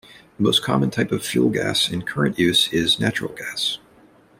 The most common type of fuel gas in current use is natural gas.